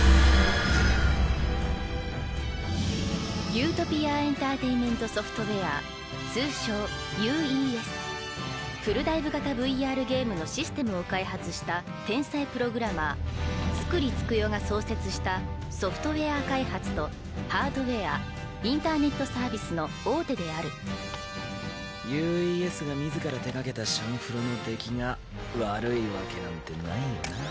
「ユートピアエンターテイメントソフトウェア」通称・「ＵＥＳ」フルダイブ型ＶＲゲームのシステムを開発した天才プログラマー継久理創世が創設したソフトウェア開発とハードウェアインターネットサービスの大手である「ＵＥＳ」が自ら手がけた「シャンフロ」の出来が悪いわけなんてないよな。